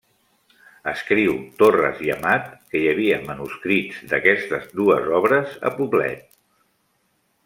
Escriu Torres i Amat que hi havia manuscrits d'aquestes dues obres a Poblet.